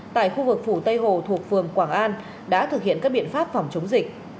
tại khu vực phủ tây hồ thuộc phường quảng an đã thực hiện các biện pháp phòng chống dịch